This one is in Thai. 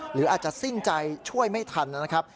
หรืออาจจะสิ้นใจช่วยไม่ทันนะครับ